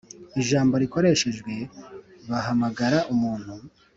ijambo rikoreshejwe bahamagara umuntu